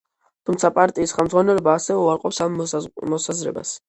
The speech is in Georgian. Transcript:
თუმცა, პარტიის ხელმძღვანელობა ასევე უარყოფს ამ მოსაზრებას.